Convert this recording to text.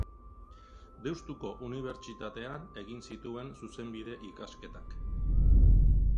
Deustuko unibertsitatean egin zituen zuzenbide-ikasketak.